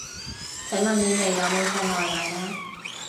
請問你哋有冇送外賣呢